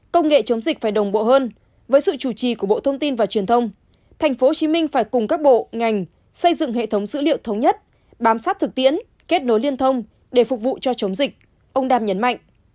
công nghệ chống dịch phải đồng bộ hơn với sự chủ trì của bộ thông tin và truyền thông tp hcm phải cùng các bộ ngành xây dựng hệ thống dữ liệu thống nhất bám sát thực tiễn kết nối liên thông để phục vụ cho chống dịch ông đam nhấn mạnh